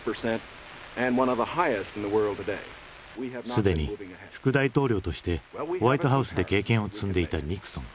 すでに副大統領としてホワイトハウスで経験を積んでいたニクソン。